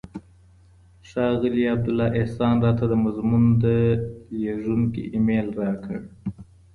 ښاغلي عبدالله احسان راته د مضمون د لېږونکي ایمیل راکړ.